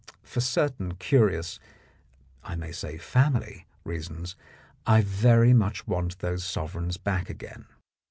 For certain curious, I may say family, reasons, I very much want those sovereigns back again.